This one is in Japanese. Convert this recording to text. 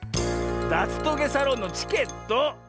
だつトゲサロンのチケット！